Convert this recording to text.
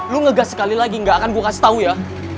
lo ngegas sekali lagi nggak akan gua kasih tau ya